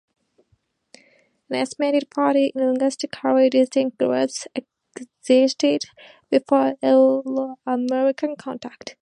An estimated forty linguistically distinct groups existed before Euro-American contact.